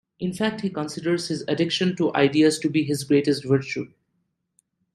In fact, he considers his addiction to ideas to be his greatest virtue.